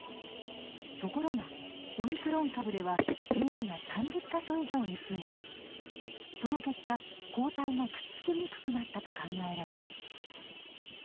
ところがオミクロン株では変異が３０か所以上に増えその結果抗体がくっつきにくくなったと考えられます。